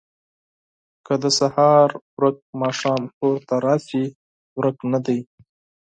که د سهار ورک ماښام کور ته راشي، ورک نه دی.